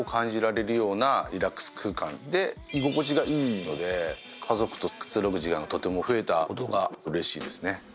で居心地がいいので家族とくつろぐ時間がとても増えたことがうれしいですね。